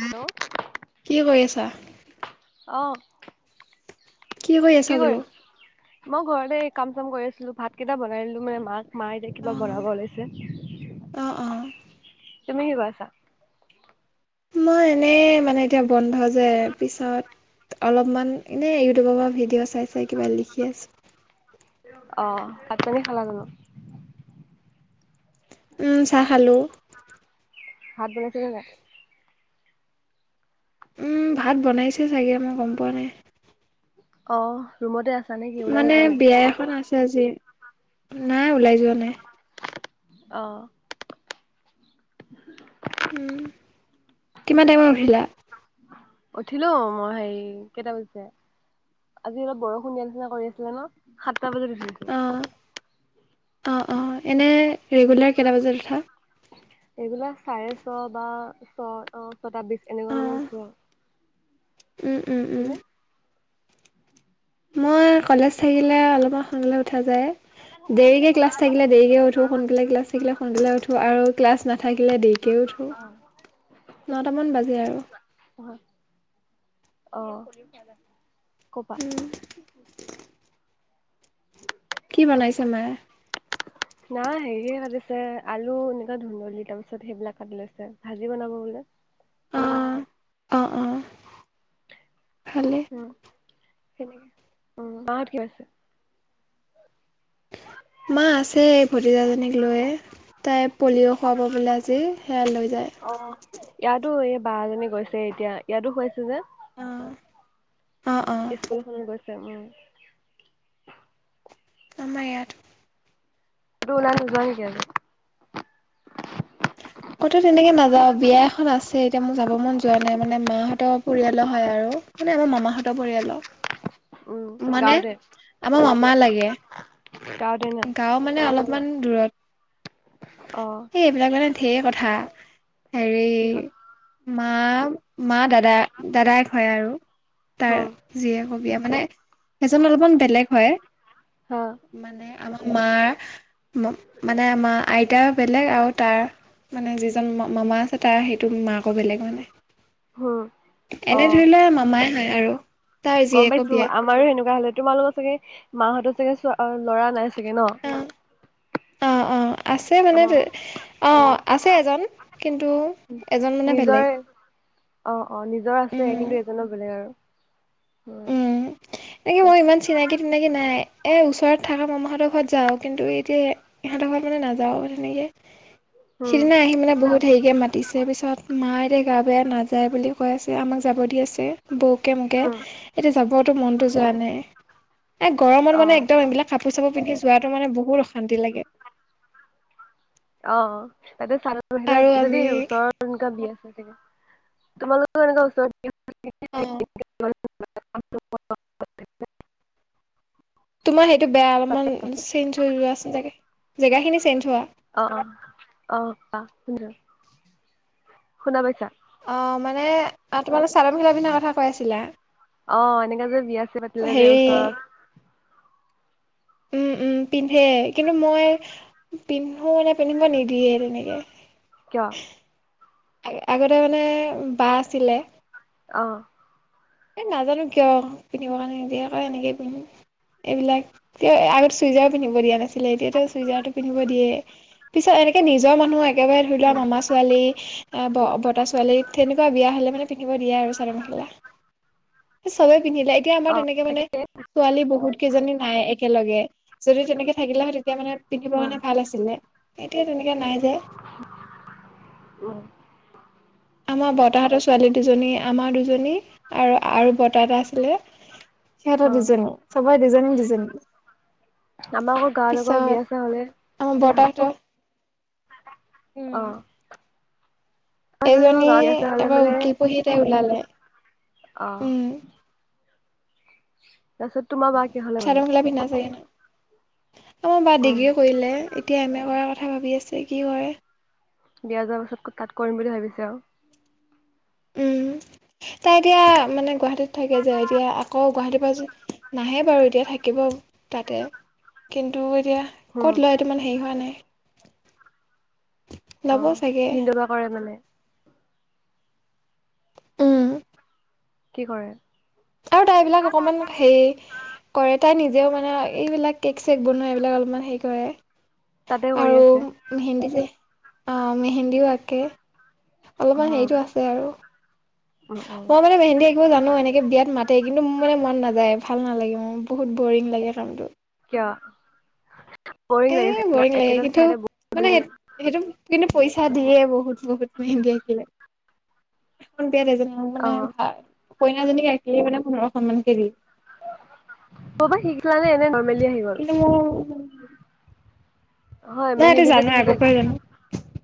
Hello কি কৰি আছা অ'ফ কি হৈ আছা বোলো মই ঘৰতে কাম চাম কৰি আছিলো ভাত কেইটা বনাই দিলো মানে মাক মায়েতি কিবা বনাব ওলাইছে অ অ [unintelligible] মই এনেই মানে এতিয়া বন্ধ যে পিছত অলপমান এনে ইউটিউবৰ পৰা ভিডিঅ' চাই চাই কিবা লিখি আছো আহ ভাত পানী খালা জানো চাহ খালোঁ হাত বলোইছিল ন উম ভাত বনাইছে চাগে মই গম পোৱা নাই অ ৰুমতে আছে মানে বিয়া এখন আছে আজি নাই ওলাই যোৱা নাই আহ উম কিমান টাইমত উঠিলা উঠিলো মই হেৰি কেইটা বজিছে আজি অলপ বৰষুণ নিচনা কৰি আছিলে ন সাতটা বজাত উঠিছো অ অ এনে ৰেগুলাৰ কেইটা বজাত উঠা এইবিলাক চাৰে ছ বা ছ অ ছটা বিছ এনেকুৱা মানে অঁ উঠো আৰু উম উম উম মই কলেজ থাকিলে অলপমান সোনকালে উঠা যায় দেৰিকে ক্লাছ থাকিলে দেৰিকে উঠো সোনকালে ক্লাছ থাকিলে সোনকালে উঠো আৰু ক্লাছ নাথাকিলে দেৰি কে উঠো নটামান বাজি আৰু আহ কবা উম, [unintelligible] কি বনাইছে মায়ে না হেৰিয়ে কাটিছে আলু এনেকুৱা ধুন্দলি তাৰ পিছত সেইবিলাক কাটি লৈছে ভাজি বনাব বোলে অ ভালে নে উ মা ধুই আছে মা আছে ভতিজাজনীক লৈ তাই পলিঅ' খুৱাব বোলে আজি হেয়ালৈ যায় অ', ইয়াতো এই বাৰজনী গৈছে এতিয়া ইয়াতো খুৱাছে যে অ অ', অ', স্কুলখনত গৈছে উ আমাৰ ইয়াত তুমি উলাই নোজোৱা নেকি আজি কতো তেনেকে নাযাও বিয়া এখন আছে এতিয়া মোৰ যাব মন যোৱা নাই মানে মা হতৰ পৰিয়ালৰ হয় আৰু মানে আমাৰ মামাহঁতৰ পৰিয়ালৰ উম মানে গাঁৱতে আমাৰ মামা লাগে গাঁৱতে ন গাও মানে অলপ অকণমান দূৰত অ এই এইবিলাক মানে ধেই কথা হেৰি কি হ'ল মা মা দাদা দাদায়েক হয় আৰু তাৰ হম জীয়েকৰ বিয়া মানে সেইজন অলপমান বেলেগ হয় হা মানে আমাৰ মা মানে আমাৰ আইতা বেলেগ আৰু তাৰ মানে যিজন মামা আছে তাৰ সেইটো মাকো বেলেগ মানে হম অ এনে ধৰি লোৱা মামাই হয় আৰু তাৰ গম জীয়েকো পাইছো বিয়া আমাৰো এনেকুৱা হলে তোমালোকৰ চাগে মা হতৰ ছাগে চোৱা লৰা নাই ছাগে ন অ অ অ আছে অ মানে অ আছে এজন কিন্তু এজন মানে বেলেগ নিজৰে অ অ নিজৰ আছে উম কিন্তু এজনোবেলেগ আৰু উম এনেকে তাত মানে ইমান চিনাকি তিনাকি নাই এ ওচৰত থকা মামাহতৰ ঘৰত যাও কিন্তু এতিয়া ইহঁতৰ ঘৰত মানে নাযাও তেনেকে উম সিদিনা আহি মানে বহুত হেৰিকে মাতিছে তাৰ পিছত মা এতিয়া গা বেয়া নাযায় বুলি কৈ আছে আমাক যাব দি আছে বৌকে মোকে উম এতিয়া যাবতো মনতটো যোৱা নাই এ গৰমত অ মানে একদম এইবিলাক কাপোৰ চাপোৰ পিন্ধি যোৱাটো মানে বহুত অশান্তি লাগে অ তাতে চাদৰ মেখেলা আৰু যদি আমি ওচৰৰ এনেকুৱা বিয়া আছে তোমালোকৰ এনেকৈ ওচৰত বিয়া অ [inaudible] তোমাৰ সেইটো বেয়া অলপমান চেঞ্জ হৈ যোৱা ছাগে জেগাখিনি চেঞ্জ হোৱা অ অ অ আহ শুন শুনা পাইছা অ মানে তোমালোক চাদৰ মখেলা পিন্ধা কথা কৈ আছিলা অ এনেকে যে বিয়া চিয়া পাতিলে যে হেৰি ওচৰত উম উম পিন্ধে কিন্তু মই পিন্ধো নে পিন্ধিব নিদিয়ে তেনেকে কিয় আগতে মানে বা আছিলে আহ এ নাজানো কিয় পিন্ধিবৰ কাৰণে নিদিয়েৌ এনেকেই পিন্ধিম এইবিলাক তে আগত চুই যাই পিন্ধিব দিয়া নাছিল ছিলে এতিয়াাতো চুইজাৰ টো পিন্ধিব দিয়ে পিছত এনেকে নিজৰ মানুহ একেবাৰে ধৰি লোৱা মামা ছোৱালী বত ছোৱালী তেনেকুৱা বিয়া হ'লে মানে পিন্ধিব দিয়ে আৰু চাদৰ মেখেলা চবে পিন্ধিলে এতিয়া আমাৰ অ তেনেকে মানে তাকে ছোৱালী বহুত কেইজনী নাই একেলগে যদি তেনেকে থাকিলে হয় তেতিয়া মানে পিন্ধিব উম কাৰণে ভাল আছিলে এতিয়া তেনেকৈ নাই যে উম আমাৰ বতাহতৰ ছোৱালী দুজনী আমাৰ দুজনী আৰু আৰু বৰত এটা আছিলে অ সেহটা ডিজাইন সবাই ডিজাইন ডিজাইন আমাৰ আকৌ গাঁৱৰ লগৰ বিয়া চা হলে আমাৰ কি হয় বৰ্তাহঁতৰ উম আহ এজনী এবাৰ উকি পঢ়িতে ওলালে আহ উম তাৰপিছত তোমাৰ বা কেহলে চাদৰ ম মেখেলা পিন্ধা চাগে ন আমাৰ বা উম ডিগ্ৰী কৰিলে এতিয়া এম এ কৰাৰ কথা ভাবি আছে কি কৰে বিয়া যোৱাৰ পাছত তাত কৰিম বুলি ভাবিছে আৰু উম তাই এতিয়া মানে গুৱাহাটীত থাকে যে এতিয়া আকৌ গুৱাহাটীত নাহে বাৰু এতিয়া থাকিব তাতে কিন্তু এতিয়া হুম ক'ত লয় ত মান হেৰি হোৱা নাই অ ল'ব চাগে পিন্ধবা কৰে মানে উম কি কৰে আৰু তাইবলাক অকমান হেই কৰে তাই নিজেও মানে এইবিলাক কেক চেক বনোৱা এইবিলাক অলপমান হে কৰে তাতে কৰি আৰু আছে মেহেন্দী যে আহ মেহেন্দীও আঁকে অলপমান উম হেৰিতটো উম আছে আৰু উম মই মানে ভেন্দি আঁকিব জানো এনেকে বিয়াত মা তাতে কিন্তু মোৰ মানে মন নাযায় ভাল নালাগে মোৰ বহুত বৰিং লাগে কামটো [unintelligible] এ লাগিছে ন বৰিং লাগে একেটা কিন্তু ঠাইতে মানে বহি সেইটো কিন্তু পইচা দিয়ে বহুত বহুত ম কেকিলে এজনক অ মানে ভ কইনাজনীক ৰাখিলে মানে পোন্ধৰখন মান কেৰি পৰা শিকিলানে এনে নৰ্মেলি আহি গ'ল কিন্তু মোৰ নাই হয় এইটো মেহেন্দী যে জানো তুমি যে আগৰ পৰাই জানো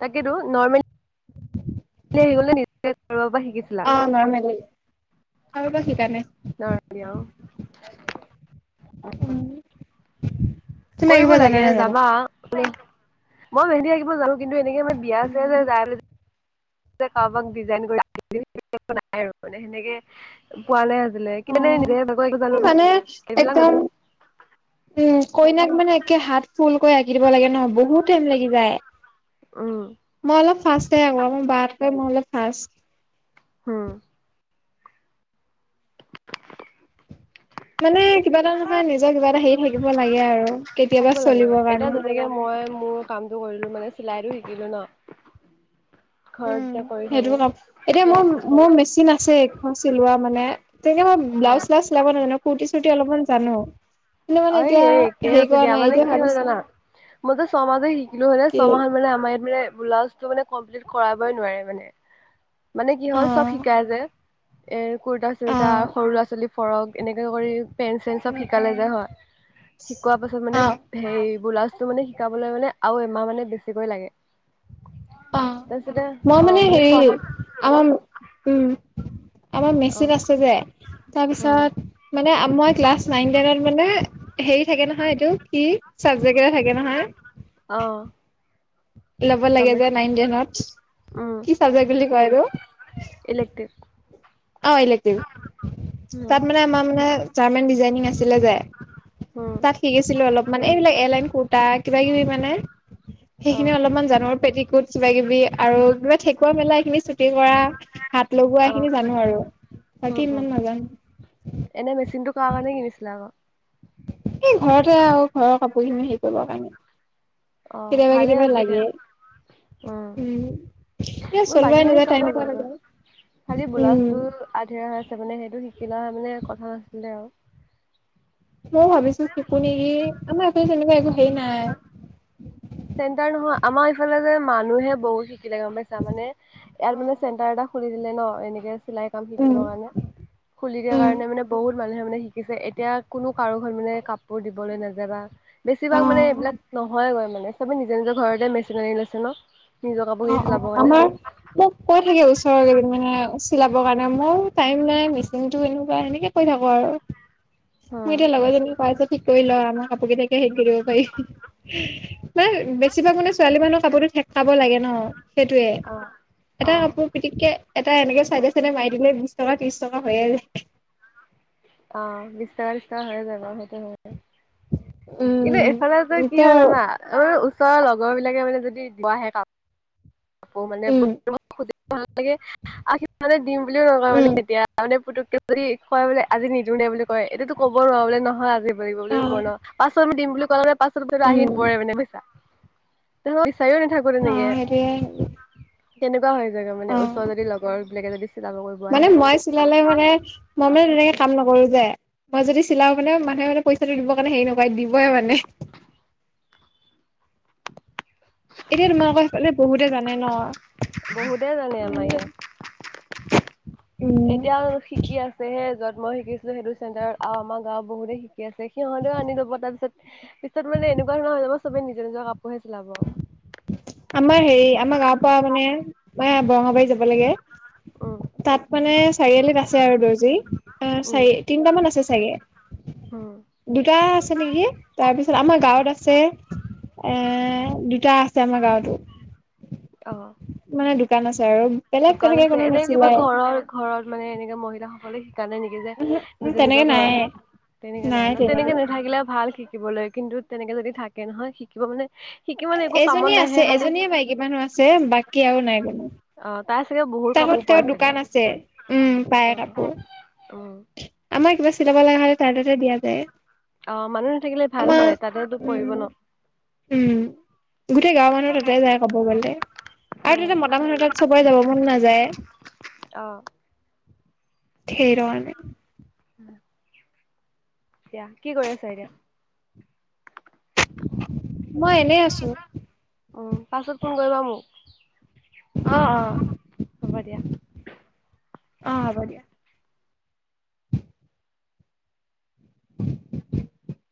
তাকেতো নৰ্মী নিবাৰ পৰা শিকিছিলা কাৰোবাক শিকা নে নিয়া উম তুমি আঁকিব কৰিব জানা লাগে নে নাজানা? যাবা মই ভেন্দি আহিব জানো কিন্তু এনেকে মাৰ বিয়া আছে যে যাই কাৰোবাক ডিজাইন নাই আৰু মানে সেনেকে পোৱালে অ ে নি জো মানে এইবিলাক একদম ন উম কইনাক মানে একে হাত ফুলকৈ আঁকি দিব লাগে ন বহুত টাইম লাগি যায় উম ফাৰ্ষ আই বাটক মইলে ফাৰ্ষ উম মানে কিবা এটা নহয় নিজৰ কিবা এটা হেৰি থাকিব লাগে আৰু কেতিয়াবা থাকিব লাগে চলিবৰ এতিয়া কাৰণে যেনেকে মই মোৰ কামটো কৰিলো মানে চিলাইতো শিকিলো ন উম ঘৰত এতিয়া কৰি থাকো সেইটো কাম এতিয়া মোৰ মোৰ মেচিন আছে এখন চিলোৱা মানে তেনেকে মই্ বিলাউজ চিলাউজ চিলাব জানো কূৰ্তি চুৰ্তি অলপমান জানো কিন্তু মানে অ এতিয়া একেই হেৰি হৈছে কৰা দিয়া নাই মানে এতিয়া কি হল ভাবিছো জানা মইতে ছমাহতধৰি শিকিলো হয় কি ছমাহ মানে মাৰ মানে কমপ্লিট কৰাবই নোৱাৰে মানে মানে কি অ হ'ল চব শিকাই যে এৰ কুুৰ্তা চুুৰ্তা অ' সৰু ল'ৰা ছোৱালী ফৰক এনেকে কৰি পেণ্ট চেট উম চব শিকালে উম যে হয় শিকোৱা পাছত মানে অ হেই গোলাছটো মানে শিকাবলৈ মানে আৰু এমাহ মানে বেছিকৈ লাগে অ তাৰপিছতে মই অ, মানে হেৰি ছমাহ আমাৰ উম আমাৰ অ মেচিত আছে যে উম তাৰপিছত ই ক্লা নন নত মানে হে থাকে নহয় এইটো কি জেগেইটা থাকে নহয় অ ল'ব গম লাগে যে পাইছো নাইনেনত কি চাবজেক্ট বুলি কয়টো ইলেক্টিভ অ' ইলেক্টিভ, উম তাত মানে আমাৰ মানে ৰ্জামান ডিজাইনিং আছিলে যে উম তাত শিকিছিলো অলপ, মানে এইবিলাক এলা এম কুৰ্তা কিবা কিবি মানে অ সেইখিনি অলপমান জানো। পেটিকুট কিবা কিবি আৰু কিবা ঠেকুৱা মেলা এইখিনি চুটি কৰা হাত লগোৱা অ খিনি জানো আৰু, উম বাকী ইমান নাজানো। কোৱা কাৰণে কিনিছিলা আকৌ। এই ঘৰতে আৰু ঘৰৰ কাপোৰখিনি হেৰি কৰিবৰ কাৰণে। অ কেতিয়াবা ভালে কেতিয়াবা হৈছে দিয়া লাগে, উম এ মই চলোৱাই বাকী খিনি নাযায় চব টাইম হেৰি পোৱা কৰিব পাৰো, নাযায় খালি উম ব্লাউজটো আধৰুৱা হৈ আছে। মানে সেইটো শিকি লোৱা মানে কথা নাছিলে আৰু ময়ও ভাবিছো শিকো নেকি আমাৰ আৌ তেনেকুৱা একো হেই নাই চেণ্ন্তাৰ নহয় আমাৰ ইফালে যে মানুহে বহুত শিক কিা গম পাইছা মানে ইয়াত মানে চেণ্টাৰ এটা খুলি দিলে ন এনেকে চিলাই কাম উম শিকিবৰ কাৰণে খুলি দিয়া উম কাৰণে মানে বহুত মানুহে মানে শিকিছে এতিয়া কোনো কাৰো ঘল মানে কাপোৰ দিবলৈ নাযাবা অ বেছিভাগ মানে এইবিলাক নহয়গৈ মানে চবে নিজে নিজৰ ঘৰতে মেচিন আনি লৈছে ন নিজৰ অ কাপোৰখিনি অ চিলাবৰ কাৰণে আমাৰ মোক কৈ থাকে ওচৰৰ কেইজন মানে চিলাবৰ কাৰণে মইয়ো টাইম নাই মেচিনটো এনেকুৱা এনেকে কৈ থাকো আৰু। অ মোৰ এতিয়া লগৰজনী প্ৰাইভেট শিকি কৰি লওঁ আৰু, আমাৰ কাপোৰ কেইতাকে হেৰি কৰি দিব পাৰি বা বেছিভাগ মানে ছোৱালী মানুহৰ কাপোৰ ঠেকাব লাগে ন। সেইটোয়ে অ অ এটা কাপোৰ পিতিকে এটা এনেকে চাইডে চাইডে মাৰি দিলে টকা ত্ৰিছ টকা হৈয়ে যায়। অ' বিশ টকা ত্ৰিশ টকা হৈ যাব বাৰু, সেইটো হয়। কিন্তু এইফালে উম কি ত হয় জানা আমাৰ ওচৰৰ লগৰ বিলাকে মানে যদি দিব আহে কাপোৰ আৌ মানে উম আানে দিম বুলিও নকয় মানে উম এতিয়া মানে পু [unintelligible] যদি কয় বোলে আজি নিদিওঁ দে বুলি কয় এতিটো ক'ব নোৱাৰা বোলে নহয় আজি দিব বুলি অ ক'ব ন পাছত। দিম বুলি কলে মানে পাছত উম আহি নপৰে মানে বুইছা, তে মই বিচাৰিও নাথাকো অ তেনেকে। সেইটোয়ে তেনেকুৱা হৈ যায়গে অ মানে, ওচৰৰ যদি লগৰ বিলাকে যদি চিলাব কৰিব মানে আহে। মই চিলালে মানে মই মানে তেনেকে কাম নকৰো যে মই যদি চিলাও মানে মানুহে মানে পইচাটো দিব কাৰণে হেৰি নকয় দিবইে মানে। [unintelligible] এতিয়া তোমালোকৰ সেইফালে বহুতে জানে ন। বহুতে জানে আমাৰ ইয়াত। উম এতিয়াও শিকি আছেহে য'ত মই শিকিছিলো সেইটো চেণ্টাৰত আমাৰ গাওঁৰ বহুতে শিকি আছে সিহঁতেও আনি লব তাৰ পিছত পিছত মানে এনেকুৱা ধৰণৰ হৈ যাব চবে নিজৰ নিজৰ কাপোৰহে চিলাব। আমাৰ হেৰি আমাৰ গাঁওৰ পৰা মানে ম বৰঙাবাৰী যাব লাগে উম তাত মানে চাৰিআলিত আছে আৰু দৰ্জি উম চাৰি তিনটামান আছে চাগে। উম দুটা আছে নেকি, তাৰ পিছত ত আমাৰ গাঁৱত আছে এ দুটা আছে। আমাৰ গাঁৱতো আহ মানে দোকান আছে। আৰু বেলেগ দোকান তেনেকে আছে কোনো এনে কিবা নিচিলাই ঘৰৰ ঘৰত মানে এনেকাে মহিলা সকলে শ কাৰণে নেকি যে উম নিজৰ নিজৰ তেনেকে নাই ঘৰত তেনেকে নাই ন, তেনেকে নাথাকিলে ভাল শি শিকিবলৈ, কিন্তু তেনেকে যদি থাকে নহয় শিকিব মানে শিকি মানে একো কামত এজনীয়ে আছে নাহে খালি এজনীয়ে মাইকী মানুহ আছে বাকী আৰু নাই কোনো। অ তাই চাগে বহুত টৰত কাপোৰ পৰে তাই চাগে দোকান আছে, উম অ পায় উম কাপোৰ। আমাৰ কিবা চিলাব লগা হ'লে তাৰ তাতে দিয়া যায়। অ' মানুহ নাথাকিলে ভাল আমাৰ হয়, তাতেতো পৰিব উম ন। উম গোটেই গাঁওৰ মানুহ তাতে যায় ক'ব গ'লে আৰু উম তাতে মতা মানুহ তাত সবেই যাব ম। নাযায়। অ'। থেই ৰণ উম। এতিয়া কি কৰি আছা এতিয়া মই এনেই আছো। উম পাছত ফোন কৰিবা মোক। অ অ হ'ব দিয়া। অ' হ'ব দিয়া। [unintelligible]